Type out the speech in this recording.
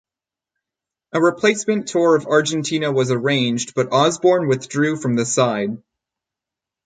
A replacement tour of Argentina was arranged but Osborne withdrew from the side.